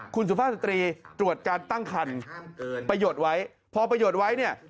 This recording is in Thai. คุณสุภาพสตรีตรวจการตั้งคันประโยชน์ไว้พอประโยชน์ไว้เนี่ย